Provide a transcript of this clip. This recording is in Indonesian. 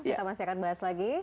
kita masih akan bahas lagi